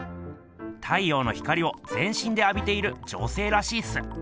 太陽の光をぜんしんであびている女性らしいっす。